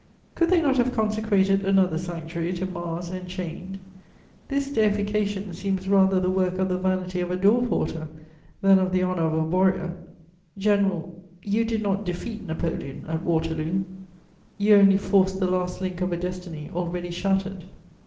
Could they not have consecrated another sanctuary to Mars enchained? This deification seems rather the work of the vanity of a door porter than of the honour of a warrior. General, you did not defeat Napoleon at Waterloo: you only forced the last link of a destiny already shattered.